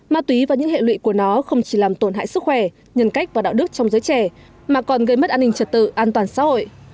ma túy và những hệ lụy của nó không chỉ làm tổn hại sức khỏe nhân cách và đạo đức trong giới trẻ mà còn gây mất an ninh trật tự an toàn xã hội